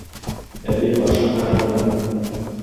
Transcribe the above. Әбей батша ҡарары менән